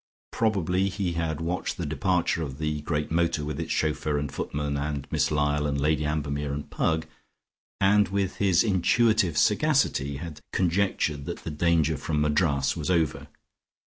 Probably he had watched the departure of the great motor with its chauffeur and footman, and Miss Lyall and Lady Ambermere and Pug, and with his intuitive sagacity had conjectured that the danger from Madras was over.